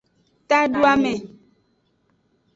Taduame.